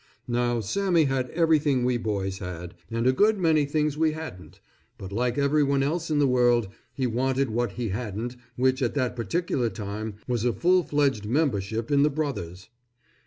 Now Sammy had everything we boys had, and a good many things we hadn't, but like everyone else in the world, he wanted what he hadn't which at that particular time, was a full fledged membership in the Brothers.